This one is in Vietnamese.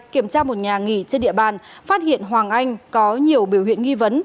kiểm tra một nhà nghỉ trên địa bàn phát hiện hoàng anh có nhiều biểu hiện nghi vấn